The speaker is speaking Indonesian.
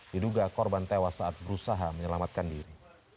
diduga korban tewas saat berusaha menyelamatkan diri